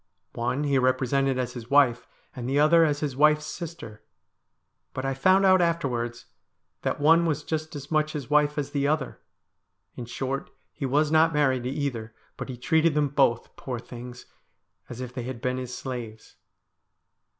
One he represented as his wife, and the other as his wife's sister. But I found out afterwards that one was just as much his wife as the other. In short, he was not married to either, but he treated them both, poor things, as if they had been his slaves.'